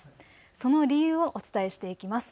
その理由をお伝えしていきます。